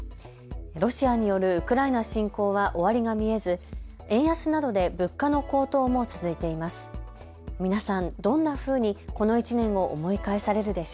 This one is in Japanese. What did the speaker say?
ロシアによるウクライナ侵攻は終わりが見えず円安などで物価の高騰も続いています。